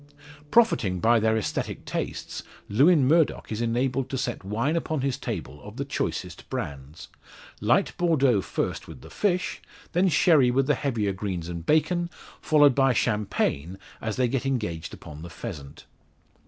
Profiting by their aesthetic tastes, Lewin Murdock is enabled to set wines upon his table of the choicest brands. Light Bordeaux first with the fish, then sherry with the heavier greens and bacon, followed by champagne as they get engaged upon the pheasant.